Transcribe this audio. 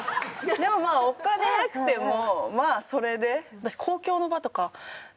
でもまあお金なくてもまあそれで。